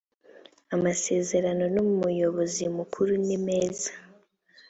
amasezerano n umuyobozi mukuru nimeza